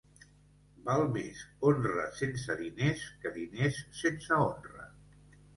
Val més honra sense diners que diners sense honra.